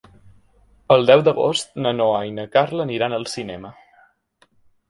El deu d'agost na Noa i na Carla aniran al cinema.